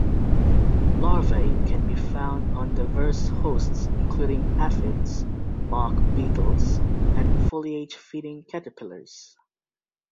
Larvae can be found on diverse hosts, including aphids, bark beetles, and foliage-feeding caterpillars.